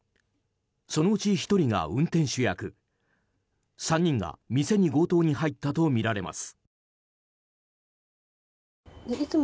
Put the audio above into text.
そのうち１人が運転手役３人が店に強盗に入ったとみられます。